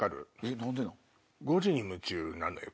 『５時に夢中！』なのよ